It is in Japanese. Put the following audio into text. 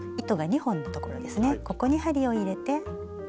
ここに針を入れて。